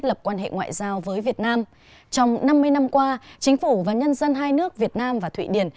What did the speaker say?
trong năm mươi năm qua chính phủ và nhân dân hai nước việt nam và thụy điển